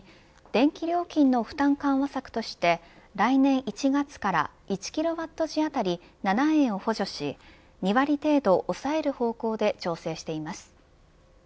電気料金の負担緩和策として来年１月から１キロワット時当たり７円を補助し２割程度抑える方向で調整しています。